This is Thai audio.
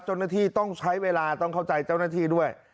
เจ้าหน้าที่ต้องใช้เวลาต้องเข้าใจเจ้าหน้าที่ด้วย